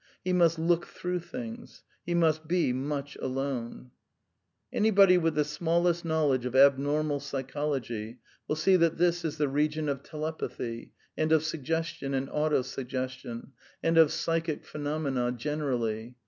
He must "loot through things "; he must be " much alone." *^ Anybody with the smallest knowledge of abnormal psy \chology will see that this is the region of telepathy, and of suggestion and auto suggestion, and of "psychic phe nomena" generally.